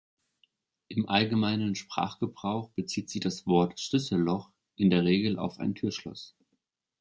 Im allgemeinen Sprachgebrauch bezieht sich das Wort "Schlüsselloch" in der Regel auf ein Türschloss.